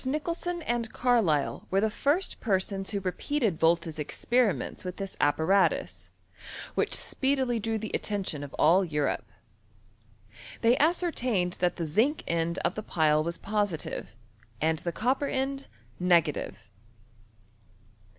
Nicholson and Carlisle were the first per* sons who repeated Volta's experiments with this ap paratus, which speedily drew the attention of all £iiJope. They ascertained that the zinc end of the pile was positive and the copper end negative.